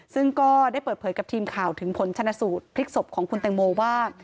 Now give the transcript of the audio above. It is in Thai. ซึ่งก็ได้เปิดเผยกับทีมข่าวถึงผลชนะสูตรพลิกศพของคุณแตงโมว่า